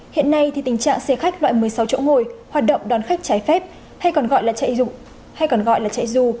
hiện nay thì tình trạng xe khách loại một mươi sáu chỗ ngồi hoạt động đón khách trái phép hay còn gọi là chạy dù